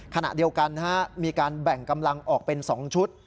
ขณะเดียวกันมีการแบ่งกำลังออกเป็น๒ชุด